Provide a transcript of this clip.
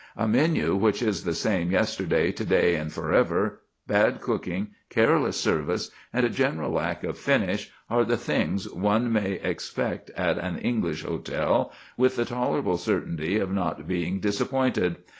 A menu which is the same yesterday, to day, and for ever, bad cooking, careless service, and a general lack of finish, are the things one may expect at an English hotel with the tolerable certainty of not being disappointed.